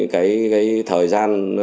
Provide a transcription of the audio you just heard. đấy cái thời gian